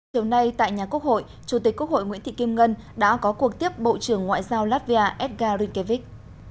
chiều nay tại nhà quốc hội chủ tịch quốc hội nguyễn thị kim ngân đã có cuộc tiếp bộ trưởng ngoại giao latvia edgar rinkevich